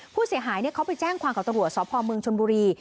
ผู้เสียหายเนี้ยเขาไปแจ้งความเก่าตรวจสภเมืองชนบุรี